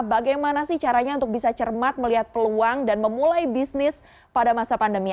bagaimana sih caranya untuk bisa cermat melihat peluang dan memulai bisnis pada masa pandemi